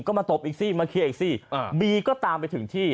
ก็มาตบอีกสิมาเคลียร์อีกสิบีก็ตามไปถึงที่